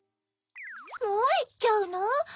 もういっちゃうの？